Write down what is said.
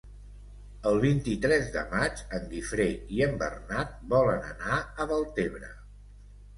El vint-i-tres de maig en Guifré i en Bernat volen anar a Deltebre.